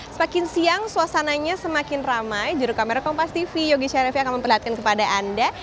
semakin siang suasananya semakin ramai juru kamera kompas tv yogi sharevi akan memperlihatkan kepada anda